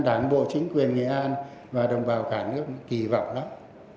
đảng bộ chính quyền nghệ an và đồng bào cả nước kỳ vọng lắm